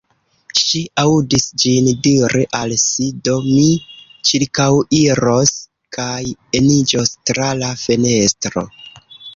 Ŝi aŭdis ĝin diri al si: Do, mi ĉirkaŭiros kaj eniĝos tra la fenestro.